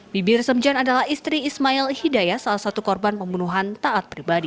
bibir semjan adalah istri ismail hidayah salah satu korban pembunuhan taat pribadi